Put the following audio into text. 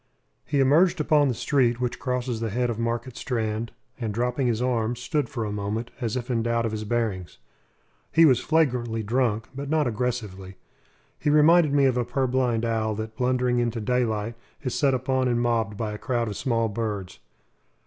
He emerged upon the street which crosses the head of Market Strand, and, dropping his arms, stood for a moment us if in doubt of his bearings. He was flagrantly drunk, but not aggressively. He reminded me of a purblind owl that, blundering Into daylight, is set upon and mobbed by a crowd of small birds.